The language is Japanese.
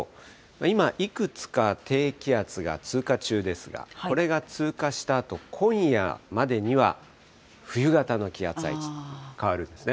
今、いくつか低気圧が通過中ですが、これが通過したあと、今夜までには、冬型の気圧配置へと変わるんですね。